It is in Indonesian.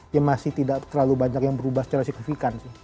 ya masih tidak terlalu banyak yang berubah secara signifikan sih